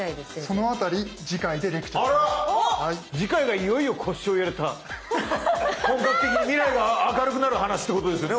その辺り次回がいよいよ腰を入れた本格的に未来が明るくなる話ってことですよね